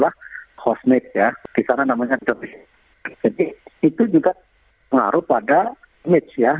akhirnya tidak jadi dia